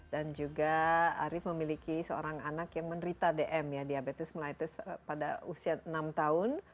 dan juga arief memiliki seorang anak yang menerita dm ya diabetes mellitus pada usia enam tahun